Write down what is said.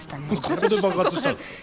ここで爆発したんですか？